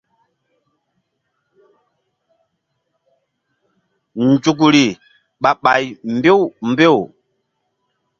Nzukri ɓah ɓay mbew mbew.